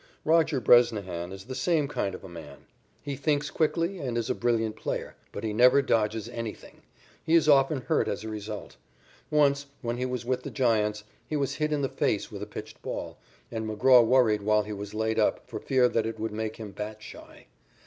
Roger Bresnahan is the same kind of a man. He thinks quickly, and is a brilliant player, but he never dodges anything. He is often hurt as a result. Once, when he was with the Giants, he was hit in the face with a pitched ball, and McGraw worried while he was laid up, for fear that it would make him bat shy.